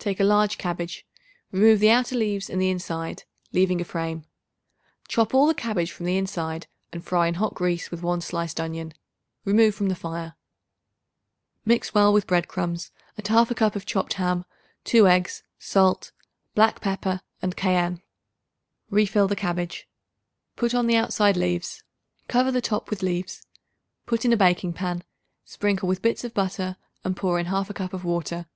Take a large cabbage; remove the outer leaves and the inside, leaving a frame. Chop all the cabbage from the inside and fry in hot grease with 1 sliced onion. Remove from the fire. Mix well with bread crumbs and 1/2 cup of chopped ham, 2 eggs, salt, black pepper and cayenne. Refill the cabbage; put on the outside leaves; cover the top with leaves. Put in a baking pan; sprinkle with bits of butter and pour in 1/2 cup of water.